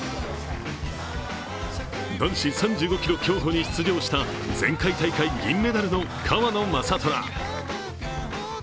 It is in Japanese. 男子３５ｋｍ競歩に出場した前回大会銀メダルの川野将虎。